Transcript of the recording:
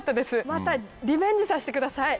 またリベンジさせてください。